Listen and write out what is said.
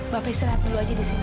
bapak istrinya lihat dulu aja di sini